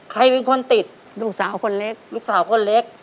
ใครเป็นคนติดลูกสาวคนเล็กลูกสาวคนเล็ก